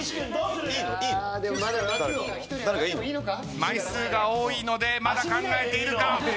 枚数が多いのでまだ考えているか？